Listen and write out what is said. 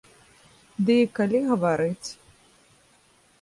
Ды, і калі гаварыць?